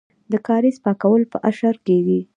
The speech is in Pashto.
د کاریز پاکول په اشر کیږي.